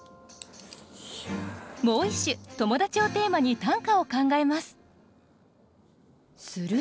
もう一首「友達」をテーマに短歌を考えます。